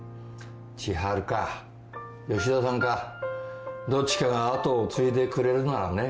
千春か吉田さんかどっちかが後を継いでくれるならね。